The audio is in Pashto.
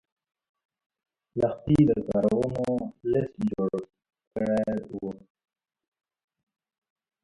لښتې د کارونو لست جوړ کړی و.